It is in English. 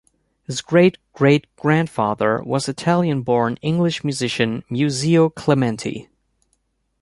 His great-great grandfather was Italian-born English musician Muzio Clementi.